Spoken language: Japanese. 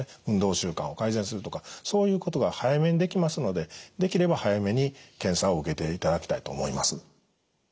運動習慣を改善するとかそういうことが早めにできますのでできれば早めに検査を受けていただきたいと思います。